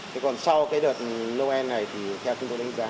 thế còn sau cái đợt noel này thì theo chúng tôi đánh giá